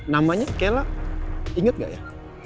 namanya kela inget nggak ya